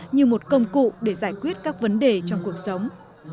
như một công cụ để giải quyết các vấn đề trong cuộc sống